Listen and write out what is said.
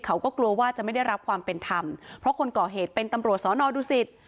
เขาก็กลัวว่าจะไม่ได้รับความเป็นธรรมเพราะคนก่อเหตุเป็นตำรวจสอนอดูสิต